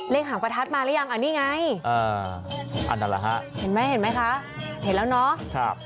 เลขหางประทัดมาแล้วยังอันนี้ไงอันนั้นเหรอฮะเห็นไหมคะเห็นแล้วเนาะครับ